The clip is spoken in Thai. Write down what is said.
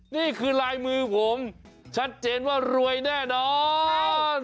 นี่คือลายมือผมชัดเจนว่ารวยแน่นอน